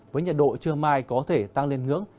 với nhiệt độ trưa mai có thể tăng lên ngưỡng